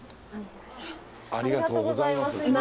ありがとうございます。